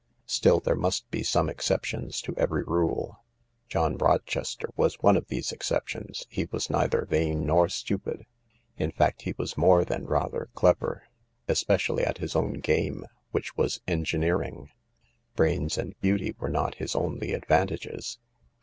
Still, there must be some excep tions to every rule. John Rochester was one of these excep tions : he was neither vain nor stupid. In fact he was more than rather clever, especially at his own game, which was engineering. Brains and beauty were not his only advan tages.